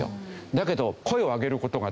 だけど。